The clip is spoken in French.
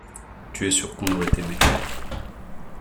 Tu es sûr qu’on aurait aimé.